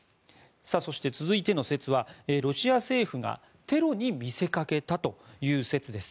そして、続いてはロシア政府がテロに見せかけたという説です。